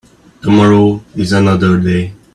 Tomorrow is another day.